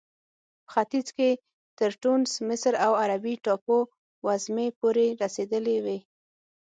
په ختیځ کې تر ټونس، مصر او عربي ټاپو وزمې پورې رسېدلې وې.